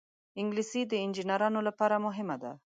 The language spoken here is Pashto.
انګلیسي د انجینرانو لپاره مهمه ده